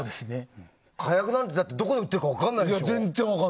火薬なんてどこで売ってるか分からないですよ。